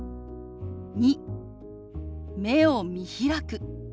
２目を見開く。